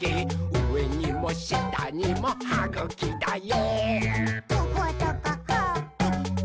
うえにもしたにもはぐきだよ！」